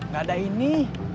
gak ada ini